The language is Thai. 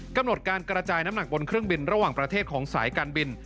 กำหนดการกระจายน้ำหนักบนเครื่องบินระหว่างประเทศของสายการบิน